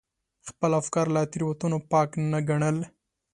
خپل افکار له تېروتنو پاک نه ګڼل.